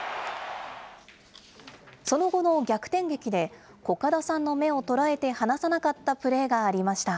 その後の逆転劇で、古角さんの目を捉えて離さなかったプレーがありました。